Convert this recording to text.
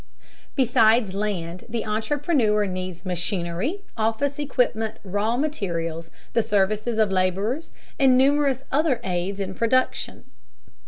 Besides land, the entrepreneur needs machinery, office equipment, raw materials, the services of laborers, and numerous other aids in production.